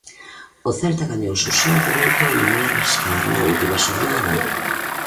O Celta gañouse o seu dereito a non arriscar na última xornada.